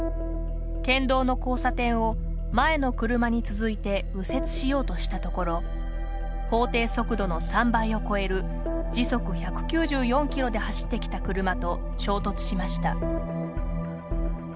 県道の交差点を前の車に続いて右折しようとしたところ法定速度の３倍を超える時速１９４キロで走ってきた車と衝突しました。